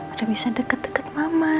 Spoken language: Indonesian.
ada bisa deket deket mama